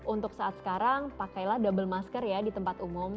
untuk saat sekarang pakailah double masker ya di tempat umum